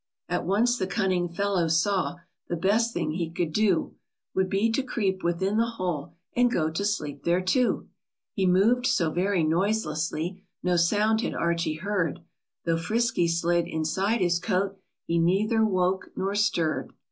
At once the cunning fellow saw The best thing he could do, Would be to creep within the hole, And go to sleep there tool He mov'd so very noiselessly, No sound had Archie heard ; Though Frisky slid inside his coat, He neither woke nor stirr'd.